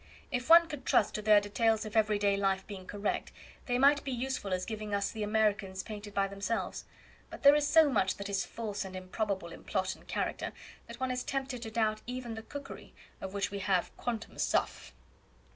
If one could trust to their details of every day life being correct, they might be useful as giving us the Americans painted by themselves; but there is so much that is false and improbable in plot and character, that one is tempted to doubt even the cookery, of which we have QUANTUM SUFF."